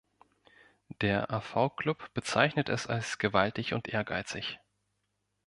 Der AV-Club bezeichnet es als „gewaltig und ehrgeizig“.